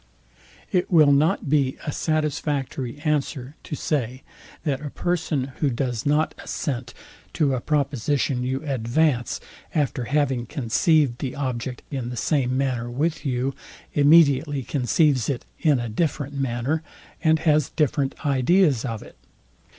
It will not be a satisfactory answer to say, that a person, who does not assent to a proposition you advance; after having conceived the object in the same manner with you; immediately conceives it in a different manner, and has different ideas of it.